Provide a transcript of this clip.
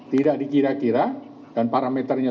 tidak dikira kira dan parameternya